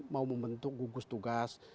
mau membentuk gugus tugas